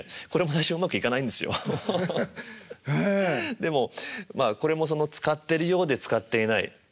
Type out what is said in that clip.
でもまあこれも使ってるようで使っていない。